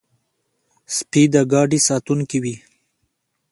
سپي د ګاډي ساتونکي وي.